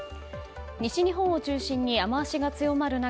西日本を中心に雨脚が強まる中